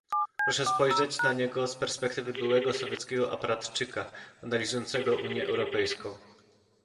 Proszę spojrzeć na niego z perspektywy byłego sowieckiego aparatczyka analizującego Unię Europejską